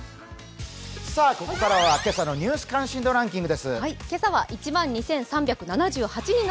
ここからは今朝のニュース関心度ランキングです。